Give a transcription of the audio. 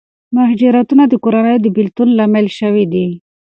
مهاجرتونه د کورنیو د بېلتون لامل شوي دي.